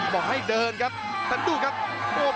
ขวงให้มัดลูบสวน